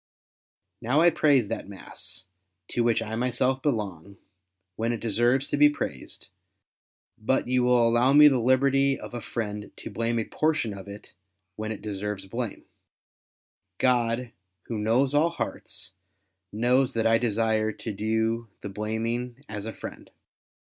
Now I praise that mass, to w^hich I myself belong, when it deserves to be praised ; but you Avill allow me the liberty of a friend to blame a portion of it when it deserves blame, God, Who knows nW hearts, knows that I desire to do the blaming as a friend.